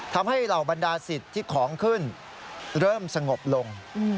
เหล่าบรรดาสิทธิ์ที่ของขึ้นเริ่มสงบลง